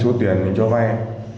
số tiền mình cho vai